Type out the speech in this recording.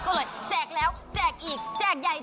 ก็เลยแจกแล้วแจกอีกแจกใหญ่